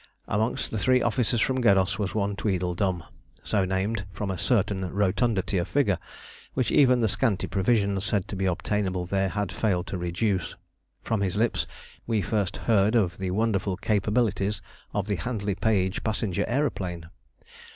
Amongst the three officers from Geddos was one Tweedledum, so named from a certain rotundity of figure, which even the scanty provisions said to be obtainable there had failed to reduce. From his lips we first heard of the wonderful capabilities of the Handley Page passenger aeroplane.